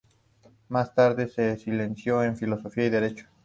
Más tarde, se licenció en "Filosofía y derecho".